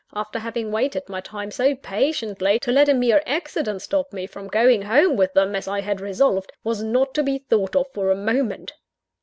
After having waited my time so patiently, to let a mere accident stop me from going home with them, as I had resolved, was not to be thought of for a moment.